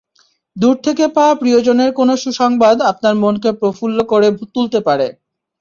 দূর থেকে পাওয়া প্রিয়জনের কোনো সুসংবাদ আপনার মনকে প্রফুল্ল করে তুলতে পারে।